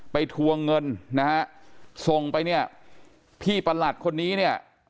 ทวงเงินนะฮะส่งไปเนี่ยพี่ประหลัดคนนี้เนี่ย